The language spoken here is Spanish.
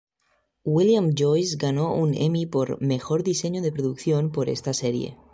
William Joyce ganó un Emmy por "Mejor Diseño de Producción" por esta serie.